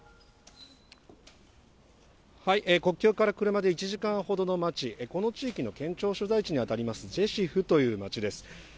国境から車で１時間ほどの街、この地域の県庁所在地に当たります、ジェシュフという街です。